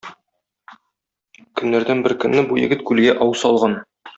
Көннәрдән бер көнне бу егет күлгә ау салган.